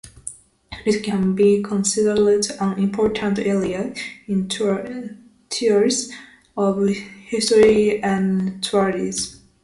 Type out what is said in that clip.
It can be considered an important area in terms of history and tourism.